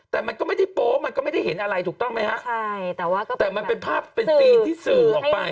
แต่มันก็ไม่ได้โป๊มันก็ไม่ได้เห็นอะไรถูกต้องไหมฮะใช่แต่ว่าก็แต่มันเป็นภาพเป็นซีนที่สื่อออกไป